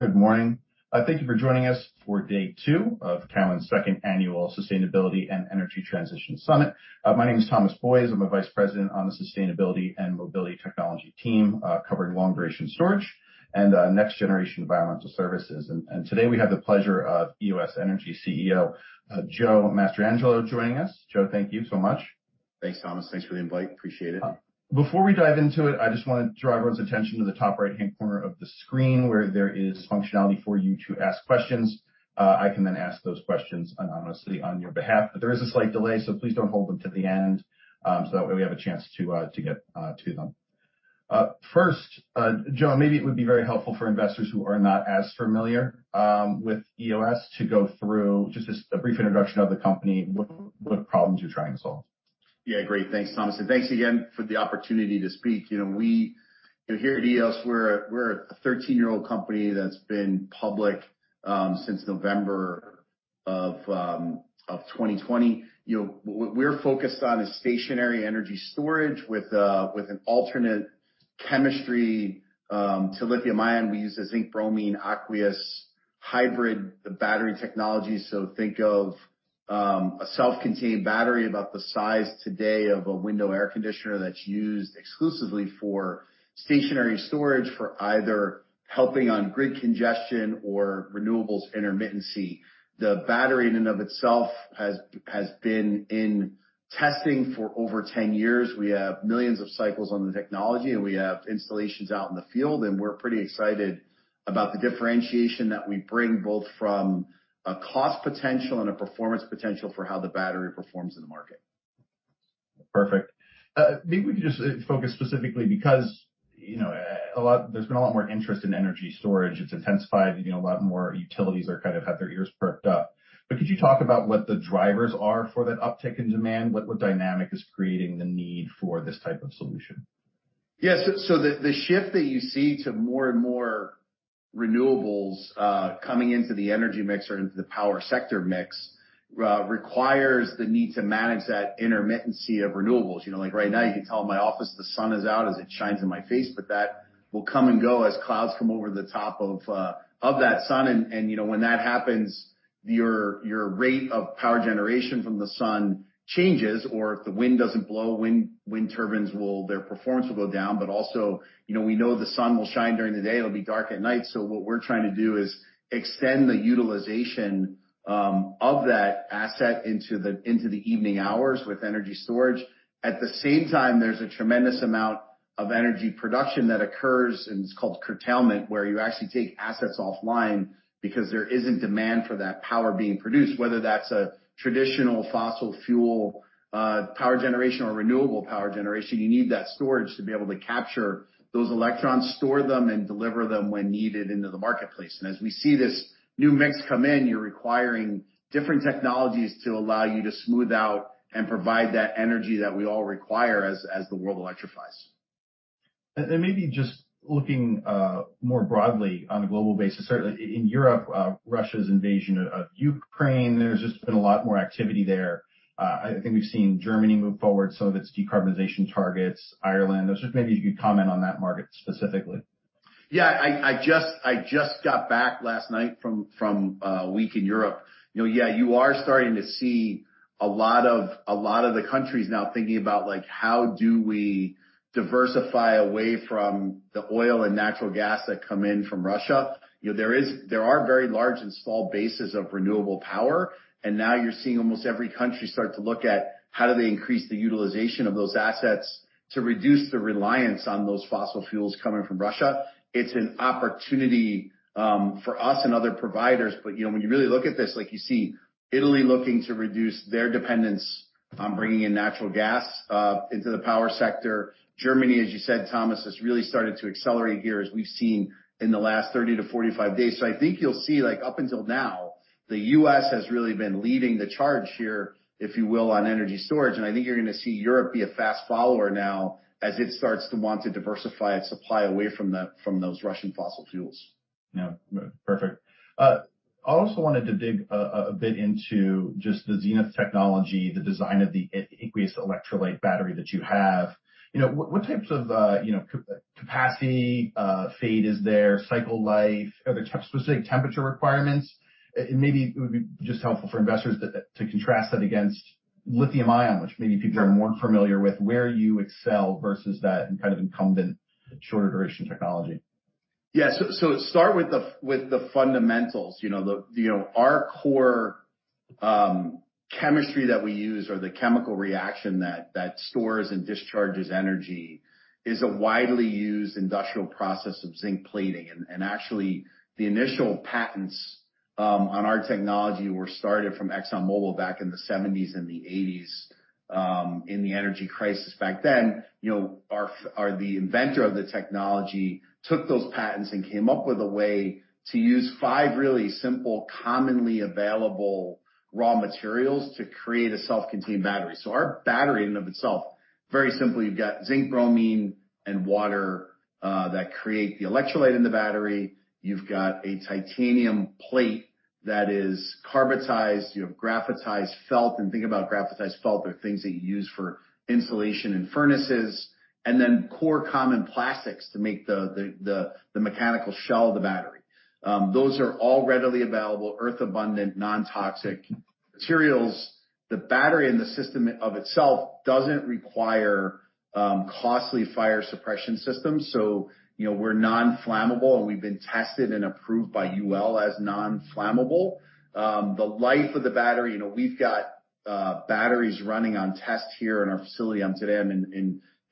Good morning. Thank you for joining us for day two of TD Cowen's Second Annual Sustainability and Energy Transition Summit. My name is Thomas Boyes. I'm a vice president on the Sustainability and Mobility Technology team, covering long-duration storage and next generation environmental services. Today we have the pleasure of Eos Energy CEO, Joe Mastrangelo joining us. Joe, thank you so much. Thanks, Thomas. Thanks for the invite. Appreciate it. Before we dive into it, I just wanna draw everyone's attention to the top right-hand corner of the screen where there is functionality for you to ask questions. I can then ask those questions anonymously on your behalf. There is a slight delay, so please don't hold them to the end, so that way we have a chance to get to them. First, Joe, maybe it would be very helpful for investors who are not as familiar with Eos to go through just a brief introduction of the company, what problems you're trying to solve. Yeah, great. Thanks, Thomas, and thanks again for the opportunity to speak. You know, here at Eos, we're a 13 year-old company that's been public since November of 2020. You know, we're focused on stationary energy storage with an alternate chemistry to lithium-ion. We use a zinc-bromine aqueous hybrid, the battery technology. Think of a self-contained battery about the size today of a window air conditioner that's used exclusively for stationary storage for either helping on grid congestion or renewables intermittency. The battery in and of itself has been in testing for over 10 years. We have millions of cycles on the technology, and we have installations out in the field, and we're pretty excited about the differentiation that we bring, both from a cost potential and a performance potential for how the battery performs in the market. Perfect. Maybe we can just focus specifically because, you know, there's been a lot more interest in energy storage. It's intensified. You know, a lot more utilities are kind of have their ears perked up. Could you talk about what the drivers are for that uptick in demand? What dynamic is creating the need for this type of solution? Yeah. The shift that you see to more and more renewables coming into the energy mix or into the power sector mix requires the need to manage that intermittency of renewables. You know, like right now you can tell in my office the sun is out as it shines in my face, but that will come and go as clouds come over the top of that sun. You know, when that happens, your rate of power generation from the sun changes. Or if the wind doesn't blow, wind turbines' performance will go down. Also, you know, we know the sun will shine during the day. It'll be dark at night. What we're trying to do is extend the utilization of that asset into the evening hours with energy storage. At the same time, there's a tremendous amount of energy production that occurs, and it's called curtailment, where you actually take assets offline because there isn't demand for that power being produced. Whether that's a traditional fossil fuel power generation or renewable power generation, you need that storage to be able to capture those electrons, store them, and deliver them when needed into the marketplace. As we see this new mix come in, you're requiring different technologies to allow you to smooth out and provide that energy that we all require as the world electrifies. Maybe just looking more broadly on a global basis, certainly in Europe, Russia's invasion of Ukraine, there's just been a lot more activity there. I think we've seen Germany move forward some of its decarbonization targets, Ireland. I was just maybe if you could comment on that market specifically. I just got back last night from a week in Europe. You know, you are starting to see a lot of the countries now thinking about, like, how do we diversify away from the oil and natural gas that come in from Russia? You know, there are very large installed bases of renewable power, and now you're seeing almost every country start to look at how do they increase the utilization of those assets to reduce the reliance on those fossil fuels coming from Russia. It's an opportunity for us and other providers. You know, when you really look at this, like you see Italy looking to reduce their dependence on bringing in natural gas into the power sector. Germany, as you said, Thomas, has really started to accelerate here as we've seen in the last 30-45 days. I think you'll see, like up until now, the U.S. has really been leading the charge here, if you will, on energy storage, and I think you're gonna see Europe be a fast follower now as it starts to want to diversify its supply away from those Russian fossil fuels. Yeah. Perfect. I also wanted to dig a bit into just the Znyth technology, the design of the aqueous electrolyte battery that you have. You know, what types of capacity fade is there, cycle life? Are there specific temperature requirements? And maybe it would be just helpful for investors to contrast that against lithium-ion, which maybe people are more familiar with, where you excel versus that and kind of incumbent shorter duration technology. Yeah. Start with the fundamentals. You know, our core chemistry that we use or the chemical reaction that stores and discharges energy is a widely used industrial process of zinc plating. Actually, the initial patents on our technology were started from ExxonMobil back in the seventies and the eighties, in the energy crisis back then. You know, the inventor of the technology took those patents and came up with a way to use five really simple, commonly available raw materials to create a self-contained battery. Our battery in and of itself, very simply, you've got zinc, bromine, and water that create the electrolyte in the battery. You've got a titanium plate that is carbidized, you have graphitized felt, and think about graphitized felt, they're things that you use for insulation in furnaces, and then four common plastics to make the mechanical shell of the battery. Those are all readily available, earth-abundant, non-toxic materials. The battery and the system in and of itself doesn't require costly fire suppression systems. You know, we're non-flammable, and we've been tested and approved by UL as non-flammable. The life of the battery, you know, we've got batteries running on tests here in our facility as of today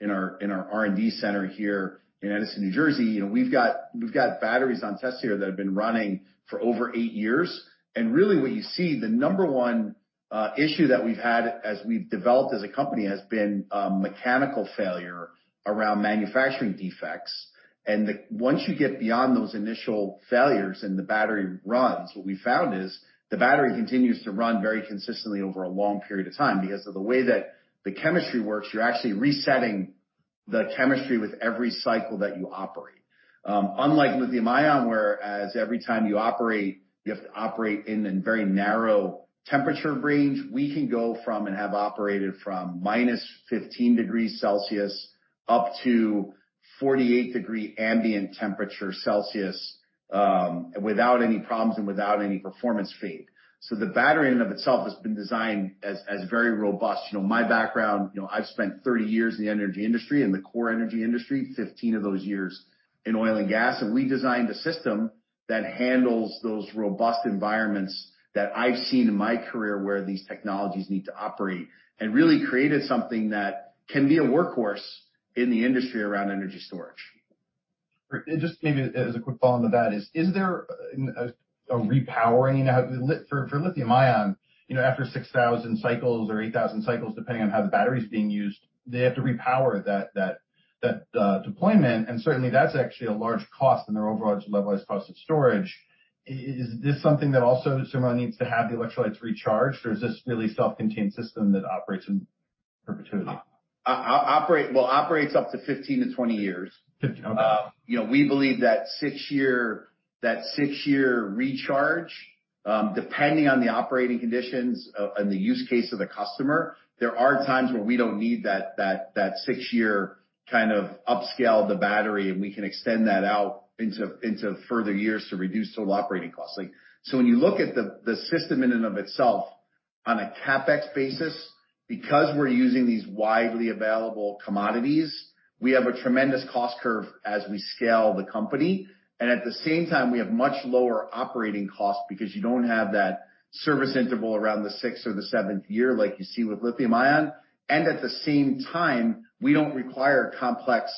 in our R&D center here in Edison, New Jersey. You know, we've got batteries on tests here that have been running for over eight years. Really what you see, the number one issue that we've had as we've developed as a company has been mechanical failure around manufacturing defects. Once you get beyond those initial failures and the battery runs, what we found is the battery continues to run very consistently over a long period of time. Because of the way that the chemistry works, you're actually resetting the chemistry with every cycle that you operate. Unlike lithium ion, whereas every time you operate, you have to operate in a very narrow temperature range, we can go from, and have operated from -15 degrees Celsius up to 48-degree ambient temperature Celsius, without any problems and without any performance fade. The battery in and of itself has been designed as very robust. You know, my background, you know, I've spent 30 years in the energy industry, in the core energy industry, 15 of those years in oil and gas. We designed a system that handles those robust environments that I've seen in my career where these technologies need to operate, and really created something that can be a workhorse in the industry around energy storage. Great. Just maybe as a quick follow-on to that, is there a repowering? You know, for lithium-ion, you know, after 6,000 cycles or 8,000 cycles, depending on how the battery is being used, they have to repower that deployment. Certainly, that's actually a large cost in their overall levelized cost of storage. Is this something that also Eos needs to have the electrolytes recharged, or is this really self-contained system that operates in perpetuity? Well, operates up to 15-20 years. 15. Okay. You know, we believe that six-year recharge, depending on the operating conditions and the use case of the customer, there are times where we don't need that six-year kind of upscale the battery, and we can extend that out into further years to reduce total operating costs. Like, so when you look at the system in and of itself on a CapEx basis, because we're using these widely available commodities, we have a tremendous cost curve as we scale the company. At the same time, we have much lower operating costs because you don't have that service interval around the sixth or the seventh year like you see with lithium ion. At the same time, we don't require complex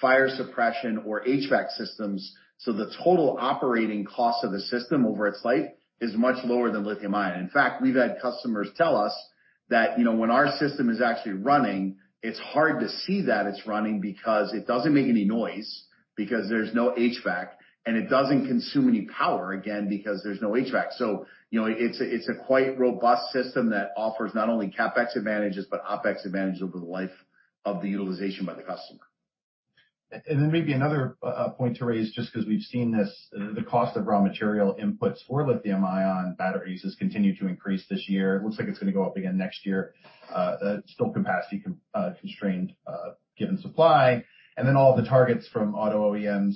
fire suppression or HVAC systems, so the total operating cost of the system over its life is much lower than lithium ion. In fact, we've had customers tell us that, you know, when our system is actually running, it's hard to see that it's running because it doesn't make any noise because there's no HVAC, and it doesn't consume any power, again, because there's no HVAC. You know, it's a quite robust system that offers not only CapEx advantages, but OpEx advantages over the life of the utilization by the customer. Maybe another point to raise just 'cause we've seen this, the cost of raw material inputs for lithium ion batteries has continued to increase this year. It looks like it's gonna go up again next year. Still capacity constrained, given supply. All the targets from auto OEMs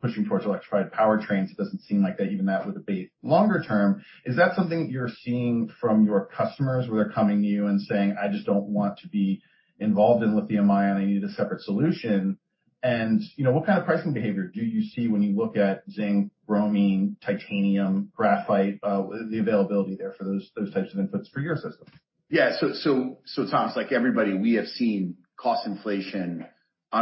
pushing towards electrified powertrains. It doesn't seem like that even that would abate longer term. Is that something you're seeing from your customers, where they're coming to you and saying, "I just don't want to be involved in lithium ion. I need a separate solution." You know, what kind of pricing behavior do you see when you look at zinc, bromine, titanium, graphite, the availability there for those types of inputs for your system? Yeah. Tom, it's like everybody, we have seen cost inflation on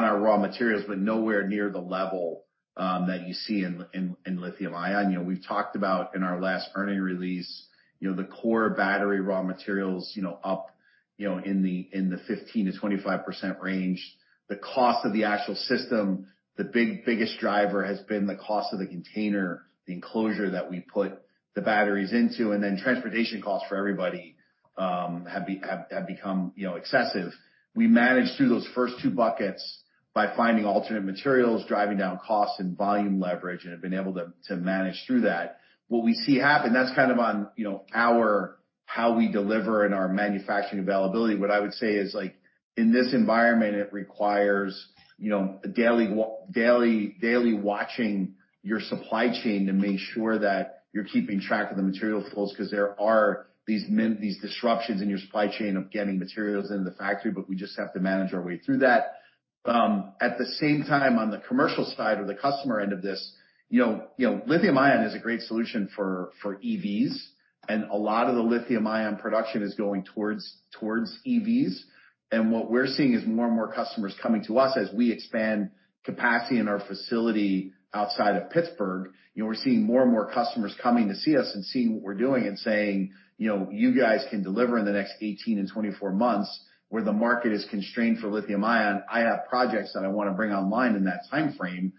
our raw materials, but nowhere near the level that you see in lithium ion. You know, we've talked about in our last earnings release, you know, the core battery raw materials, you know, up, you know, in the 15%-25% range. The cost of the actual system, the biggest driver has been the cost of the container, the enclosure that we put the batteries into, and then transportation costs for everybody have become, you know, excessive. We managed through those first two buckets by finding alternate materials, driving down costs and volume leverage, and have been able to manage through that. What we see happen, that's kind of on, you know, our, how we deliver and our manufacturing availability. What I would say is, like, in this environment, it requires, you know, daily watching your supply chain to make sure that you're keeping track of the material flows 'cause there are these disruptions in your supply chain of getting materials into the factory. But we just have to manage our way through that. At the same time, on the commercial side or the customer end of this, you know, lithium ion is a great solution for EVs, and a lot of the lithium ion production is going towards EVs. What we're seeing is more and more customers coming to us as we expand capacity in our facility outside of Pittsburgh. You know, we're seeing more and more customers coming to see us and seeing what we're doing and saying, "You know, you guys can deliver in the next 18 and 24 months where the market is constrained for lithium ion. I have projects that I wanna bring online in that timeframe.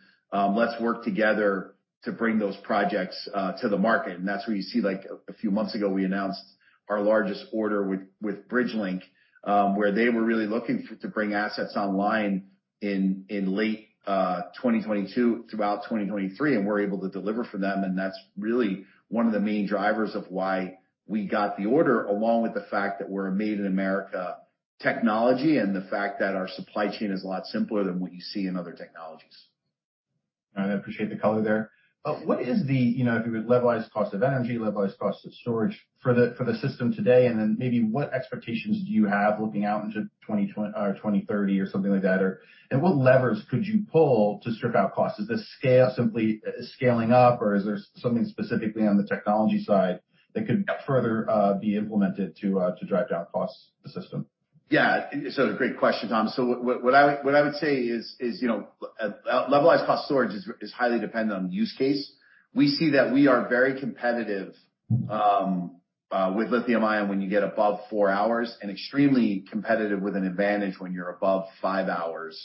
Let's work together to bring those projects to the market." That's where you see, like a few months ago, we announced our largest order with Bridgelink, where they were really looking to bring assets online in late 2022 throughout 2023, and we're able to deliver for them. That's really one of the main drivers of why we got the order, along with the fact that we're a Made in America technology and the fact that our supply chain is a lot simpler than what you see in other technologies. All right. I appreciate the color there. What is the, you know, if you would levelized cost of energy, levelized cost of storage for the system today, and then maybe what expectations do you have looking out into 2030 or something like that? What levers could you pull to strip out costs? Is the scale simply scaling up or is there something specifically on the technology side that could further be implemented to drive down costs of the system? Yeah. Great question, Tom. What I would say is, you know, levelized cost storage is highly dependent on use case. We see that we are very competitive with lithium-ion when you get above four hours and extremely competitive with an advantage when you're above five hours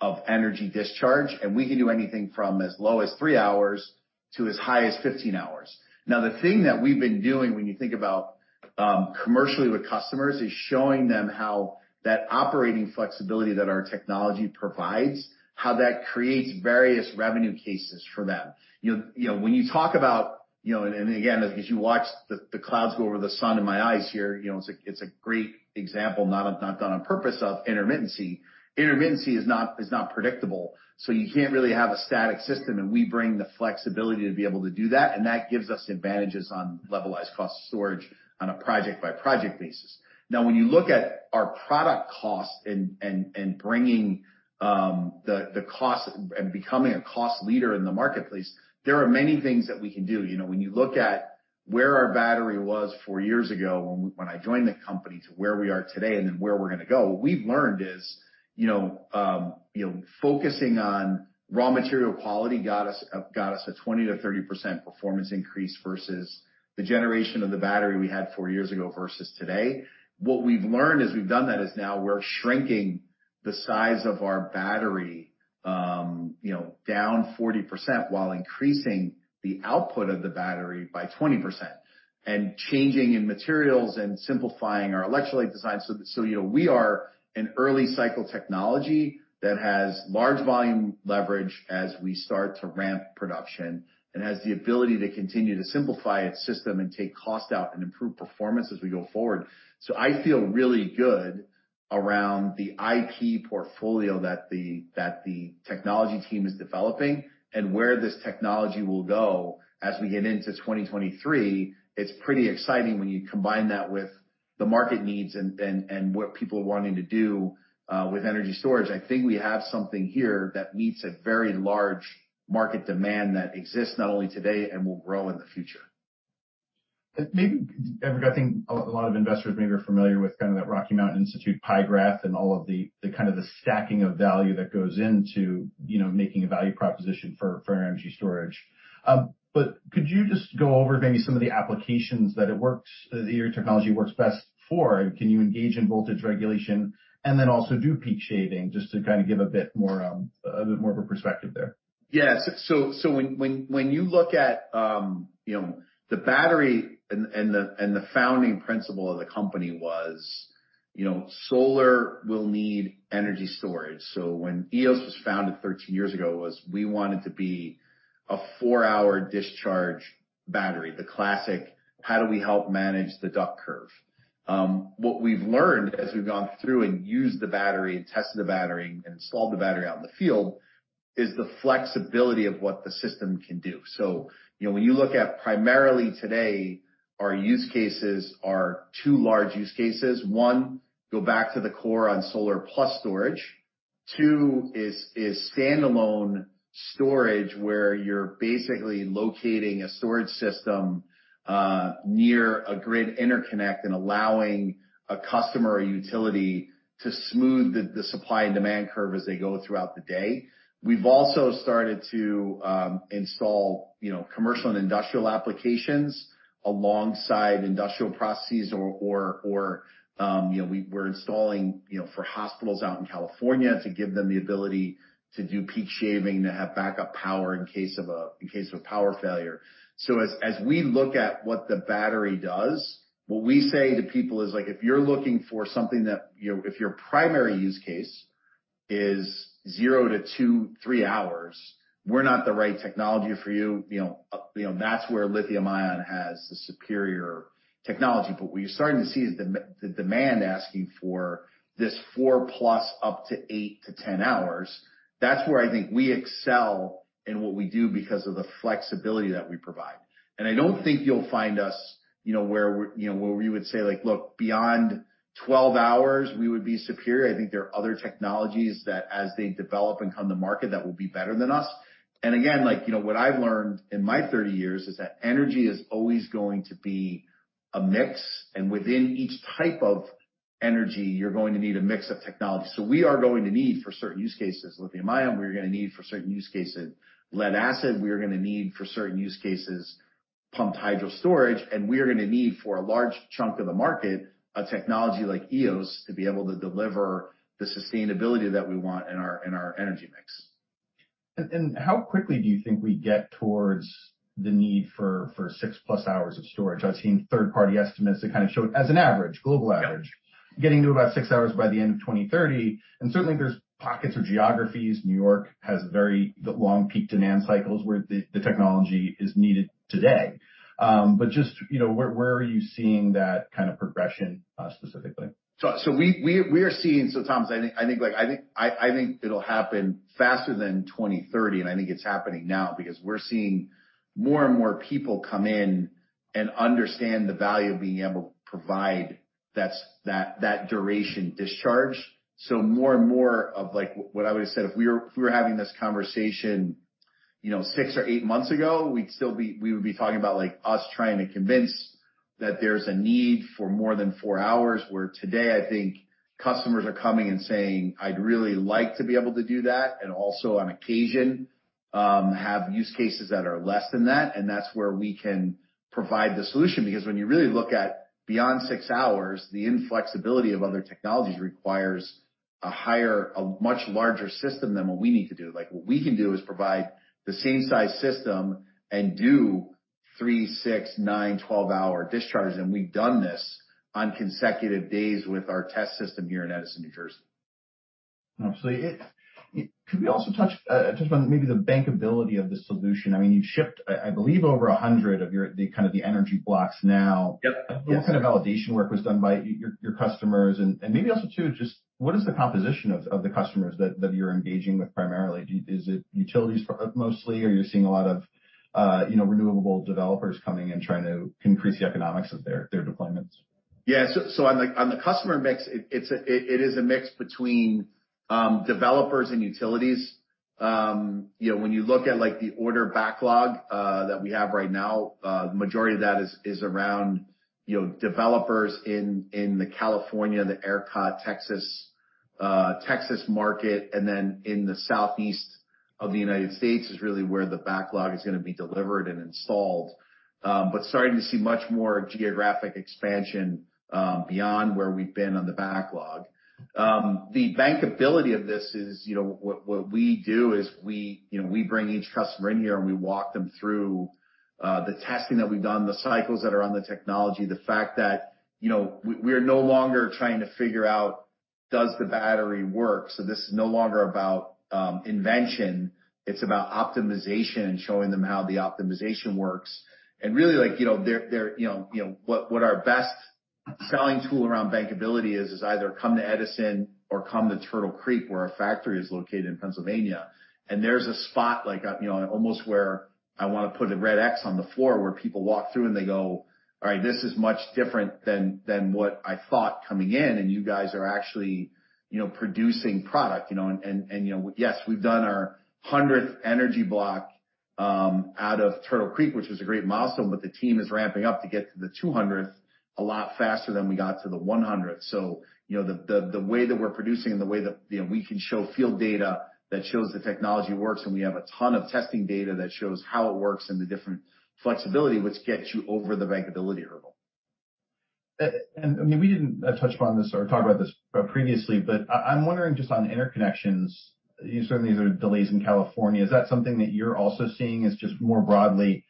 of energy discharge. We can do anything from as low as three hours to as high as 15 hours. Now, the thing that we've been doing when you think about commercially with customers is showing them how that operating flexibility that our technology provides, how that creates various revenue cases for them. You know, when you talk about, you know, and again, as you watch the clouds go over the sun in my eyes here, you know, it's a great example, not done on purpose of intermittency. Intermittency is not predictable, so you can't really have a static system. We bring the flexibility to be able to do that, and that gives us advantages on levelized cost of storage on a project-by-project basis. Now, when you look at our product costs and bringing the cost and becoming a cost leader in the marketplace, there are many things that we can do. You know, when you look at where our battery was four years ago when I joined the company to where we are today and then where we're gonna go, what we've learned is, you know, focusing on raw material quality got us a 20%-30% performance increase versus the generation of the battery we had four years ago versus today. What we've learned as we've done that is now we're shrinking the size of our battery, you know, down 40% while increasing the output of the battery by 20%. Changing our materials and simplifying our electrolyte design. You know, we are an early cycle technology that has large volume leverage as we start to ramp production and has the ability to continue to simplify its system and take cost out and improve performance as we go forward. I feel really good around the IP portfolio that the technology team is developing and where this technology will go as we get into 2023. It's pretty exciting when you combine that with the market needs and what people are wanting to do with energy storage. I think we have something here that meets a very large market demand that exists not only today and will grow in the future. Maybe, I think a lot of investors maybe are familiar with kind of that Rocky Mountain Institute pie graph and all of the kind of the stacking of value that goes into, you know, making a value proposition for energy storage. Could you just go over maybe some of the applications your technology works best for? Can you engage in voltage regulation and then also do peak shaving just to kind of give a bit more of a perspective there? Yeah. When you look at, you know, the battery and the founding principle of the company was, you know, solar will need energy storage. When Eos was founded 13 years ago, we wanted to be a four-hour discharge battery. The classic, how do we help manage the duck curve? What we've learned as we've gone through and used the battery and tested the battery and installed the battery out in the field is the flexibility of what the system can do. You know, when you look at primarily today, our use cases are two large use cases. One, go back to the core on solar plus storage. Two is standalone storage, where you're basically locating a storage system near a grid interconnect and allowing a customer or utility to smooth the supply and demand curve as they go throughout the day. We've also started to install, you know, commercial and industrial applications alongside industrial processes or, you know, we're installing, you know, for hospitals out in California to give them the ability to do peak shaving, to have backup power in case of a power failure. As we look at what the battery does, what we say to people is like, "If you're looking for something that, you know, if your primary use case is zero to two, three hours, we're not the right technology for you." You know, that's where lithium-ion has the superior technology. What you're starting to see is the demand asking for this 4+ up to 8-10 hours. That's where I think we excel in what we do because of the flexibility that we provide. I don't think you'll find us, you know, where we, you know, would say, like, "Look, beyond 12 hours, we would be superior." I think there are other technologies that as they develop and come to market, that will be better than us. Again, like, you know, what I've learned in my 30 years is that energy is always going to be a mix, and within each type of energy you're going to need a mix of technology. We are going to need, for certain use cases, lithium-ion. We are gonna need, for certain use cases, lead acid. We are gonna need, for certain use cases, pumped hydro storage. We are gonna need, for a large chunk of the market, a technology like Eos to be able to deliver the sustainability that we want in our energy mix. How quickly do you think we get towards the need for six-plus hours of storage? I've seen third-party estimates that kind of show it as an average, global average. Yeah. Getting to about six hours by the end of 2030, and certainly there's pockets or geographies. New York has very long peak demand cycles where the technology is needed today. Just, you know, where are you seeing that kind of progression, specifically? Tom, I think it'll happen faster than 2030, and I think it's happening now because we're seeing more and more people come in and understand the value of being able to provide that duration discharge. More and more of what I would have said, if we were having this conversation, you know, six or eight months ago, we would be talking about, like, us trying to convince that there's a need for more than four hours. Where today, I think customers are coming and saying, "I'd really like to be able to do that, and also on occasion, have use cases that are less than that." That's where we can provide the solution. Because when you really look at beyond six hours, the inflexibility of other technologies requires a much larger system than what we need to do. Like, what we can do is provide the same size system and do three, six, nine, 12-hour discharges. We've done this on consecutive days with our test system here in Edison, New Jersey. Absolutely. Could we also touch on maybe the bankability of the solution? I mean, you've shipped, I believe, over 100 of your, the kind of the Energy Blocks now. Yep. What kind of validation work was done by your customers? Maybe also too, just what is the composition of the customers that you're engaging with primarily? Is it utilities for mostly? Are you seeing a lot of, you know, renewable developers coming and trying to increase the economics of their deployments? Yeah. On the customer mix, it's a mix between developers and utilities. You know, when you look at, like, the order backlog that we have right now, majority of that is around, you know, developers in the California, the ERCOT Texas market, and then in the southeast of the United States is really where the backlog is gonna be delivered and installed. But starting to see much more geographic expansion beyond where we've been on the backlog. The bankability of this is, you know, what we do is we, you know, we bring each customer in here, and we walk them through the testing that we've done, the cycles that are on the technology. The fact that, you know, we're no longer trying to figure out, does the battery work? This is no longer about invention. It's about optimization and showing them how the optimization works. Really like, you know, they're you know what our best selling tool around bankability is either come to Edison or come to Turtle Creek, where our factory is located in Pennsylvania. There's a spot like, you know, almost where I wanna put a red X on the floor, where people walk through, and they go, "All right, this is much different than what I thought coming in. You guys are actually, you know, producing product," you know. You know, yes, we've done our 100th Energy Block out of Turtle Creek, which is a great milestone, but the team is ramping up to get to the 200th a lot faster than we got to the 100th. You know, the way that we're producing and the way that, you know, we can show field data that shows the technology works, and we have a ton of testing data that shows how it works and the different flexibility which gets you over the bankability hurdle. I mean, we didn't touch upon this or talk about this previously, but I'm wondering just on interconnections, you said these are delays in California. Is that something that you're also seeing is just more broadly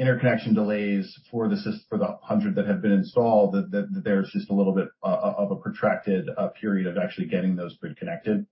interconnection delays for the 100 that have been installed, that there's just a little bit of a protracted period of actually getting those grid connected?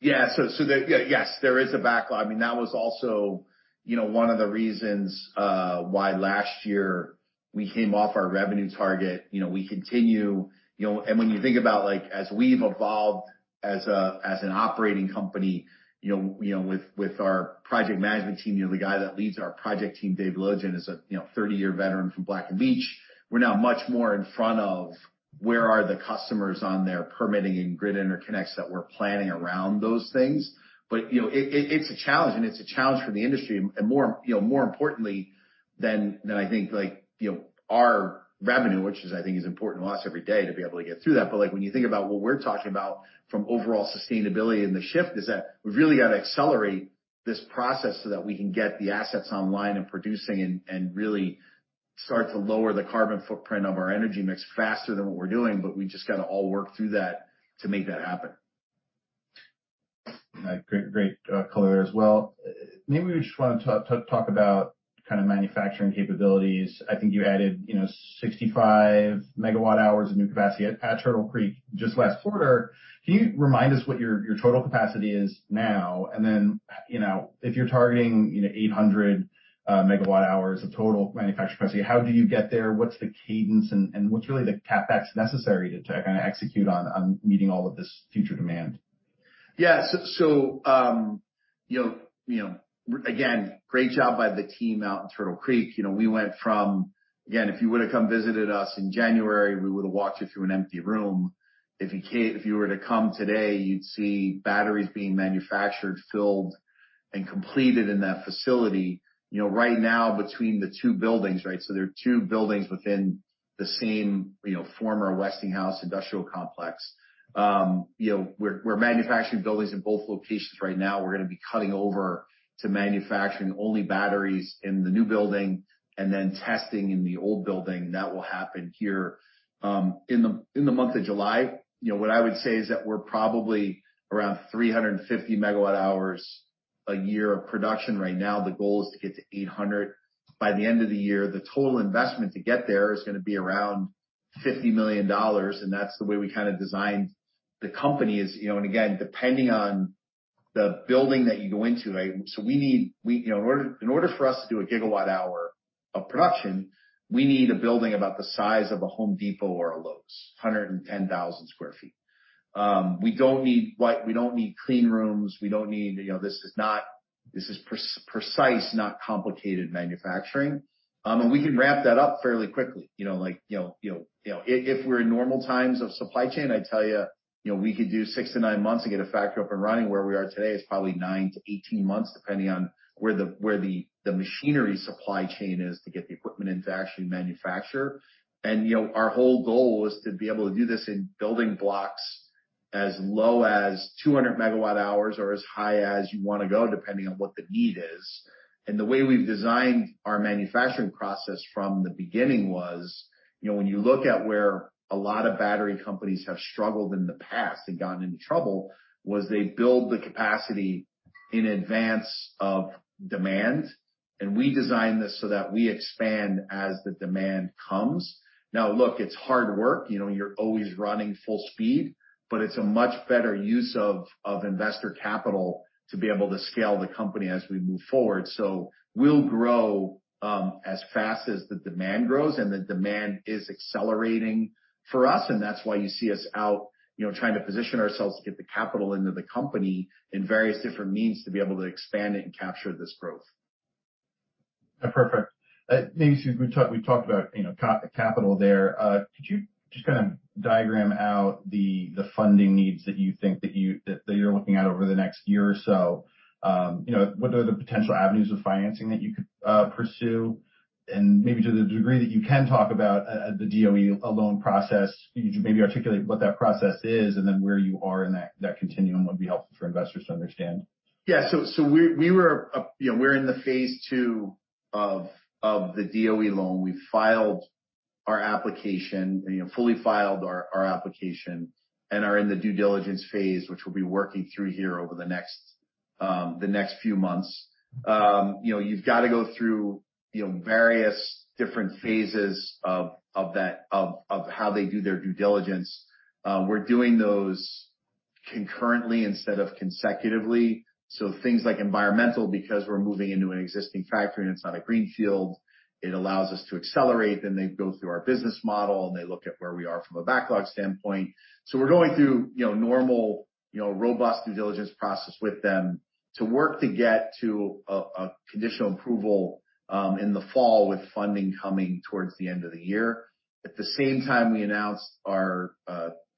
Yes, there is a backlog. I mean, that was also, you know, one of the reasons why last year we came off our revenue target. You know, we continue. When you think about, like, as we've evolved as an operating company, you know, with our project management team. You know, the guy that leads our project team, Dave Lusk, is a 30-year veteran from Black & Veatch. We're now much more in front of where are the customers on their permitting and grid interconnects, that we're planning around those things. You know, it's a challenge, and it's a challenge for the industry. More, you know, more importantly than I think, like, you know, our revenue, which is, I think, is important to us every day to be able to get through that. Like, when you think about what we're talking about from overall sustainability and the shift is that we've really gotta accelerate this process so that we can get the assets online and producing and really start to lower the carbon footprint of our energy mix faster than what we're doing. We just gotta all work through that to make that happen. Great, great, color there as well. Maybe we just want to talk about kind of manufacturing capabilities. I think you added, you know, 65 MWh of new capacity at Turtle Creek just last quarter. Can you remind us what your total capacity is now? Then, you know, if you're targeting, you know, 800 MWh of total manufacturing capacity, how do you get there? What's the cadence, and what's really the CapEx necessary to kind of execute on meeting all of this future demand? Again, great job by the team out in Turtle Creek. You know, we went from. Again, if you would've come visited us in January, we would've walked you through an empty room. If you were to come today, you'd see batteries being manufactured, filled and completed in that facility. You know, right now between the two buildings, right? There are two buildings within the same, you know, former Westinghouse industrial complex. You know, we're manufacturing buildings in both locations right now. We're gonna be cutting over to manufacturing only batteries in the new building and then testing in the old building. That will happen here in the month of July. You know, what I would say is that we're probably around 350 MWh a year of production right now. The goal is to get to 800 by the end of the year. The total investment to get there is gonna be around $50 million, and that's the way we kinda designed the company is, you know. Again, depending on the building that you go into, right? We need, you know, in order for us to do a gigawatt hour of production, we need a building about the size of a Home Depot or a Lowe's, 110,000 sq ft. We don't need clean rooms. We don't need, you know, this is precise, not complicated manufacturing. We can ramp that up fairly quickly. You know, like, if we're in normal times of supply chain, I'd tell you know, we could do six to nine months to get a factory up and running. Where we are today is probably 9-18 months, depending on where the machinery supply chain is to get the equipment in to actually manufacture. You know, our whole goal is to be able to do this in building blocks as low as 200 MWh or as high as you wanna go, depending on what the need is. The way we've designed our manufacturing process from the beginning was, you know, when you look at where a lot of battery companies have struggled in the past and gotten into trouble, they build the capacity in advance of demand, and we design this so that we expand as the demand comes. Now, look, it's hard work. You know, you're always running full speed, but it's a much better use of investor capital to be able to scale the company as we move forward. We'll grow as fast as the demand grows, and the demand is accelerating for us, and that's why you see us out, you know, trying to position ourselves to get the capital into the company in various different means to be able to expand it and capture this growth. Perfect. Maybe since we talked about, you know, CapEx there, could you just kinda lay out the funding needs that you think you're looking at over the next year or so? You know, what are the potential avenues of financing that you could pursue? Maybe to the degree that you can talk about the DOE loan process, could you articulate what that process is and then where you are in that continuum would be helpful for investors to understand. Yeah. We were, you know, we're in phase two of the DOE loan. We filed our application, you know, fully filed our application and are in the due diligence phase, which we'll be working through here over the next few months. You know, you've gotta go through, you know, various different phases of that, of how they do their due diligence. We're doing those concurrently instead of consecutively, so things like environmental, because we're moving into an existing factory and it's not a greenfield, it allows us to accelerate. Then they go through our business model, and they look at where we are from a backlog standpoint. We're going through, you know, normal, you know, robust due diligence process with them to work to get to a conditional approval in the fall with funding coming towards the end of the year. At the same time, we announced our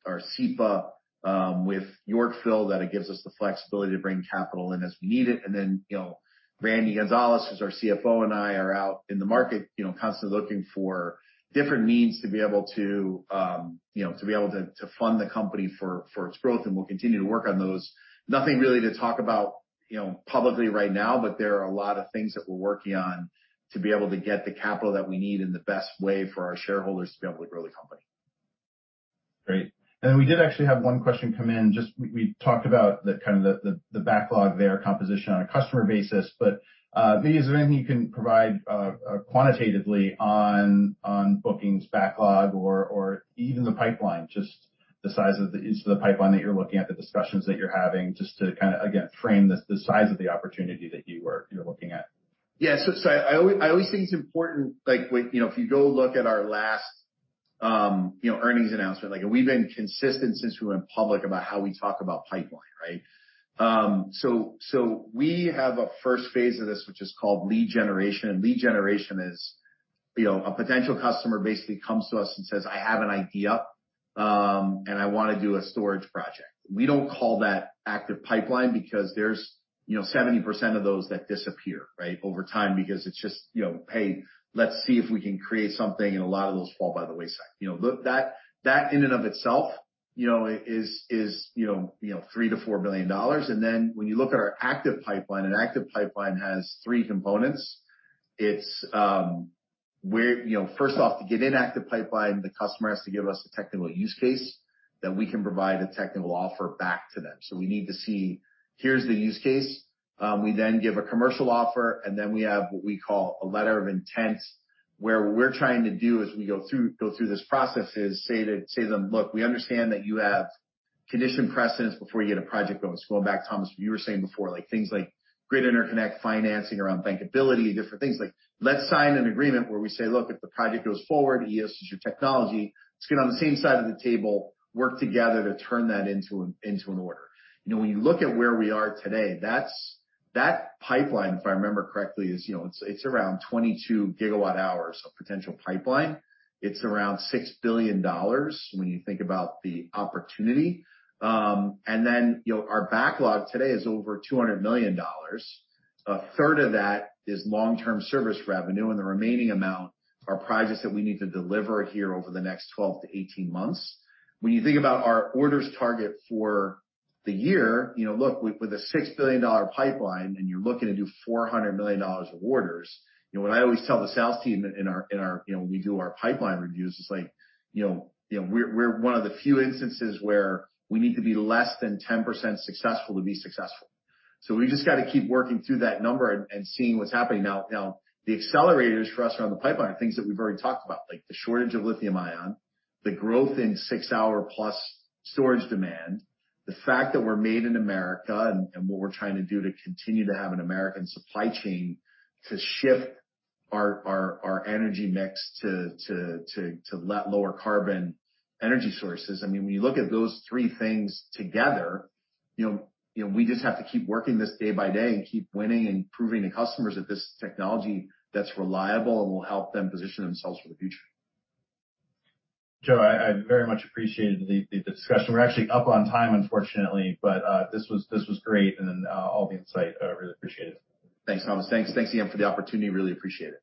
SEPA with Yorkville that it gives us the flexibility to bring capital in as we need it. Then, you know, Randy Gonzales, who's our CFO, and I are out in the market, you know, constantly looking for different means to be able to fund the company for its growth, and we'll continue to work on those. Nothing really to talk about, you know, publicly right now, but there are a lot of things that we're working on to be able to get the capital that we need in the best way for our shareholders to be able to grow the company. Great. Then we did actually have one question come in. Just we talked about the kind of the backlog their composition on a customer basis. Maybe is there anything you can provide quantitatively on bookings backlog or even the pipeline, just the size of the sort of the pipeline that you're looking at, the discussions that you're having, just to kind of again frame the size of the opportunity that you're looking at? Yeah. I always think it's important, like when, you know, if you go look at our last, you know, earnings announcement, like we've been consistent since we went public about how we talk about pipeline, right? We have a first phase of this which is called lead generation. Lead generation is, you know, a potential customer basically comes to us and says, "I have an idea, and I wanna do a storage project." We don't call that active pipeline because there's, you know, 70% of those that disappear, right, over time because it's just, you know, "Hey, let's see if we can create something," and a lot of those fall by the wayside. You know, look, that in and of itself, you know, is $3 billion-$4 billion. When you look at our active pipeline, an active pipeline has three components. It's. You know, first off, to get into an active pipeline, the customer has to give us a technical use case that we can provide a technical offer back to them. We need to see here's the use case. We then give a commercial offer, and then we have what we call a letter of intent, where what we're trying to do as we go through this process is say to them, "Look, we understand that you have conditions precedent before you get a project going." Going back, Thomas, what you were saying before, like things like grid interconnect, financing around bankability, different things. Like, let's sign an agreement where we say, "Look, if the project goes forward, Eos is your technology. Let's get on the same side of the table, work together to turn that into an order. You know, when you look at where we are today, that's that pipeline, if I remember correctly, you know, it's around 22 gigawatt-hours of potential pipeline. It's around $6 billion when you think about the opportunity. You know, our backlog today is over $200 million. A third of that is long-term service revenue, and the remaining amount are projects that we need to deliver here over the next 12-18 months. When you think about our orders target for the year, you know, look, with a $6 billion pipeline and you're looking to do $400 million of orders, you know, what I always tell the sales team in our, you know, when we do our pipeline reviews is like, you know, we're one of the few instances where we need to be less than 10% successful to be successful. We just gotta keep working through that number and seeing what's happening. Now the accelerators for us around the pipeline are things that we've already talked about, like the shortage of lithium-ion, the growth in six-hour-plus storage demand, the fact that we're Made in America and what we're trying to do to continue to have an American supply chain to shift our energy mix to lower carbon energy sources. I mean, when you look at those three things together, you know, we just have to keep working this day by day and keep winning and proving to customers that this is technology that's reliable and will help them position themselves for the future. Joe, I very much appreciated the discussion. We're actually up on time, unfortunately, but this was great and all the insight really appreciate it. Thanks, Thomas. Thanks. Thanks again for the opportunity. Really appreciate it.